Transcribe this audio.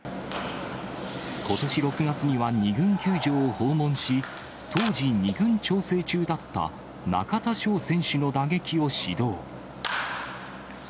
ことし６月には２軍球場を訪問し、当時２軍調整中だった中田翔選手の打撃を指導。